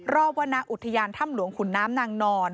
วรรณอุทยานถ้ำหลวงขุนน้ำนางนอน